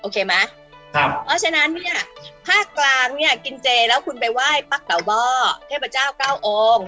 เพราะฉะนั้นภาคกลางกินเจแล้วคุณไปไหว้ปักเต่าบ่อเทพเจ้าเก้าองค์